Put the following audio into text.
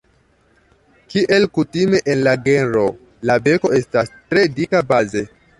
Kiel kutime en la genro, la beko estas tre dika baze.